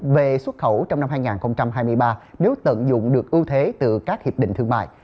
về xuất khẩu trong năm hai nghìn hai mươi ba nếu tận dụng được ưu thế từ các hiệp định thương mại